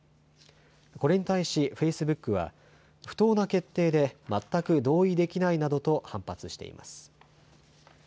これに対しフェイスブックは不当な決定で全く同意できないなどと反発しています。